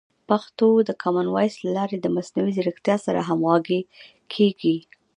پښتو د کامن وایس له لارې د مصنوعي ځیرکتیا سره همغږي کیږي.